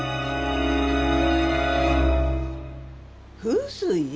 風水！？